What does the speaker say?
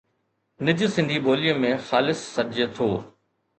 نج سنڌي ٻوليءَ ۾ خالص سڏجي ٿو.